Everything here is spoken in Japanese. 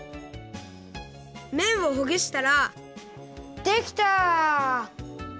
めんをほぐしたらできた！